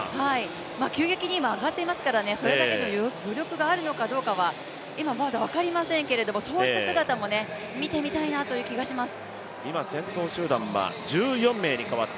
急激に今、上がっていますからそれだけの余力があるかどうか、今、まだ分かりませんけれども、そういった姿も見てみたいなという気がします。